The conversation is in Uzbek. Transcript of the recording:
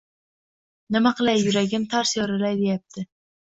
Nima qilay yuragim tars yorilay deyapti.